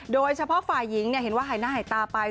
โดยเฉพาะฝ่ายหญิงเห็นว่าหายหน้าหายตาไป